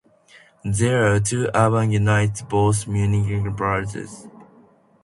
There are two urban units, both municipalities.